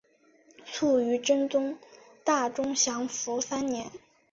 卒于真宗大中祥符三年。